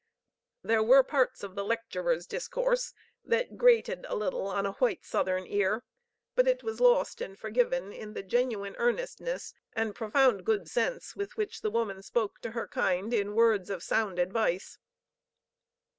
'" There were parts of the lecturer's discourse that grated a little on a white Southern ear, but it was lost and forgiven in the genuine earnestness and profound good sense with which the woman spoke to her kind in words of sound advice.